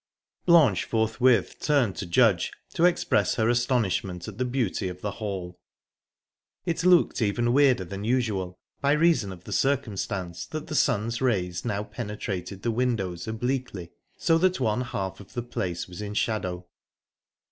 Blanche forthwith turned to Judge, to express her astonishment at the beauty of the hall. It looked even weirder than usual, by reason of the circumstance that the sun's rays now penetrated the windows obliquely, so that one half of the place was in shadow.